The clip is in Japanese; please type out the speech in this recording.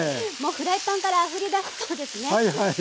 フライパンからあふれ出しそうですね。